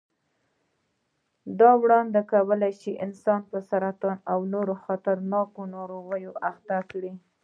دا وړانګې کولای شي انسان په سرطان او نورو خطرناکو ناروغیو اخته کړي.